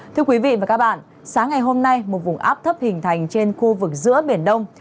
sáng ngày hôm nay một vùng áp thấp hình thành trên khu vực giữa biển đông